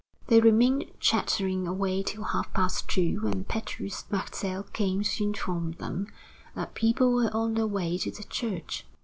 They remained chattering away till half past two when Petrus Martel came to inform them that people were on their way to the church.